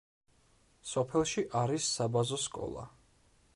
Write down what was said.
სოფელში არის საბაზო სკოლა.